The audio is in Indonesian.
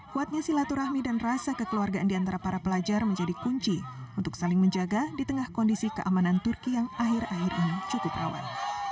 kuatnya silaturahmi dan rasa kekeluargaan di antara para pelajar menjadi kunci untuk saling menjaga di tengah kondisi keamanan turki yang akhir akhir ini cukup rawan